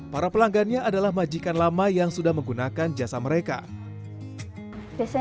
para pelanggannya adalah majikan lama dan pengguna art infal yang sudah berpengalaman